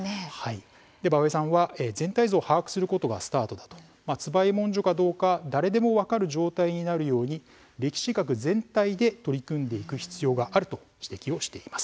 馬部さんは、全体像を把握することがスタートだ椿井文書かどうか、誰でも分かる状態になるように歴史学全体で取り組んでいく必要があると指摘しています。